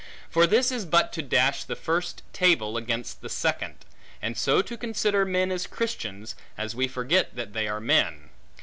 For this is but to dash the first table against the second; and so to consider men as Christians, as we forget that they are men.